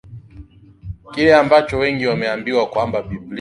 ya kile ambacho wengi wameambiwa kwamba Biblia